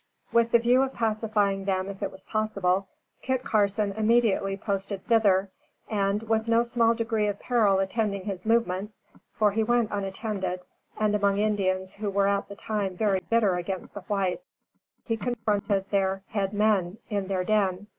With the view of pacifying them if it was possible, Kit Carson immediately posted thither; and, with no small degree of peril attending his movements for he went unattended, and among Indians who were at the time very bitter against the whites he confronted their "head men" in their den.